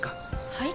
はい？